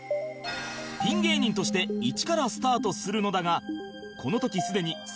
ピン芸人として一からスタートするのだがこの時すでに３３歳